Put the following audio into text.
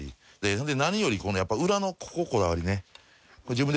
で何よりここのやっぱ裏のこここだわりね。